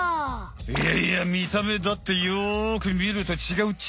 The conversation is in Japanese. いやいや見た目だってよく見ると違うっち。